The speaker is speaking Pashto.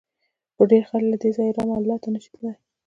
ډېر خلک له دې ځایه رام الله ته نه شي تللی.